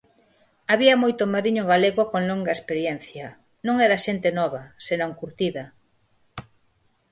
Había moito mariño galego con longa experiencia, non era xente nova, senón curtida.